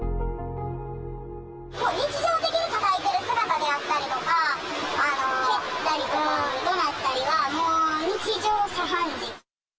日常的にたたいてる姿であったりとか、蹴ったりとか、どなったりはもう日常茶飯事。